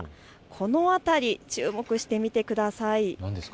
この辺り、注目してみてください。